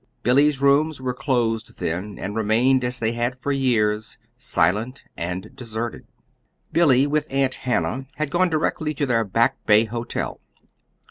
Billy's rooms were closed then, and remained as they had for years silent and deserted. Billy with Aunt Hannah had gone directly to their Back Bay hotel.